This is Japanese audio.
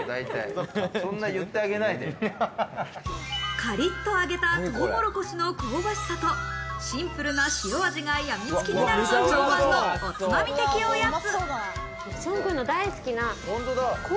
カリっと揚げたとうもろこしの香ばしさとシンプルな塩味がやみつきになると評判のおつまみ的おやつ。